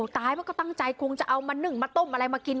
ตายเพราะก็ตั้งใจคงจะเอามานึ่งมาต้มอะไรมากิน